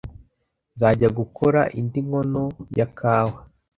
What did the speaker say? Nzajya gukora indi nkono ya kawa.